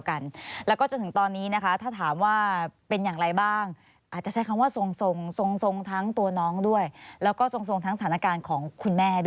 ไม่ต้องกลัวหรอก